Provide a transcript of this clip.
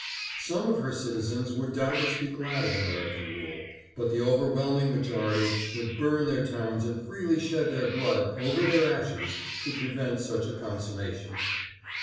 Some of her citizens would doubtless be glad of Ameri can rule, but the overwhelming majority would burn their towns and freely shed their blood over their ashes to prevent such a consummation.